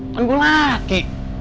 kan gue laki